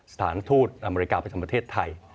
สถานทูตอเมริกาประจำประเทศไทย